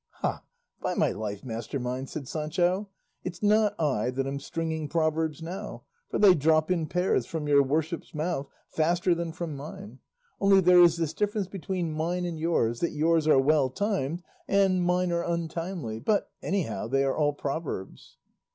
'" "Ha, by my life, master mine," said Sancho, "it's not I that am stringing proverbs now, for they drop in pairs from your worship's mouth faster than from mine; only there is this difference between mine and yours, that yours are well timed and mine are untimely; but anyhow, they are all proverbs."